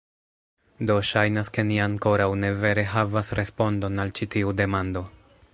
Do ŝajnas ke ni ankoraŭ ne vere havas respondon al ĉi tiu demando